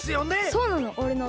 そうなの。